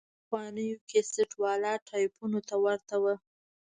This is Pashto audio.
پخوانيو کسټ والا ټايپونو ته ورته وه.